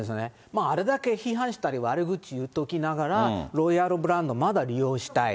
あれだけ批判したり悪口言っておきながら、ロイヤルブランドまだ利用したい。